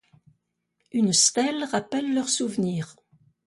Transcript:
Une stèle rappelle leur souvenir.